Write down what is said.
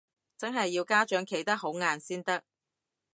真係要家長企得好硬先得